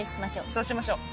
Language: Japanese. そうしましょう。